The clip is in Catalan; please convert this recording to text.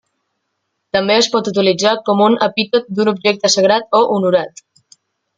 També es pot utilitzar com un epítet d'un objecte sagrat o honorat.